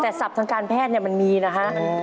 แต่สรรพันธ์การแพทย์มันมีนะครับ